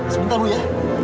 sebentar bu ya